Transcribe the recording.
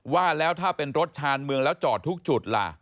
ว่าแล้วถ้าเป็นรถชาญเมืองแล้วจอดทุกจุดล่ะ